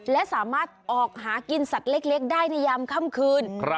และสามารถออกหากินสัตว์เล็กได้ในยามค่ำคืน